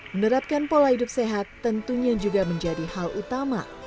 menerapkan pola hidup sehat tentunya juga menjadi hal utama